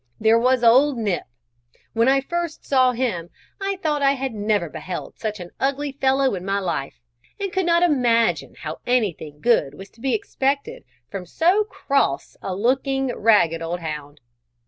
There was old Nip: when I first saw him, I thought I had never beheld such an ugly fellow in my life, and could not imagine how anything good was to be expected from so cross a looking, ragged old hound.